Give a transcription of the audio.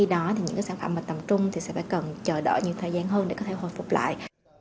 đó thì những sản phẩm mà tầm trung thì sẽ phải cần chờ đợi nhiều thời gian hơn để có thể hồi phục lại